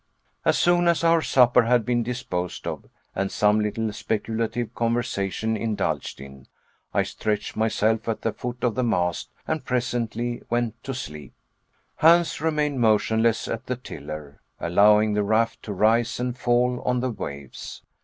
As soon as our supper had been disposed of, and some little speculative conversation indulged in, I stretched myself at the foot of the mast, and presently went to sleep. Hans remained motionless at the tiller, allowing the raft to rise and fall on the waves.